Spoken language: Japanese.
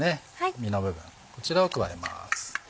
身の部分こちらを加えます。